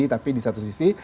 tapi di satu sisi